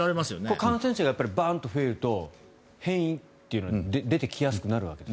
感染者がバンと増えると変異というのは出てきやすくなるんですか？